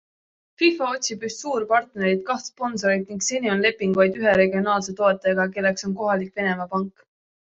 FIFA otsib üht suur partnerit, kaht sponsorit ning seni on leping vaid ühe regionaalse toetajaga, kelleks on kohalik Venemaa pank.